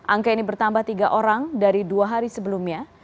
angka ini bertambah tiga orang dari dua hari sebelumnya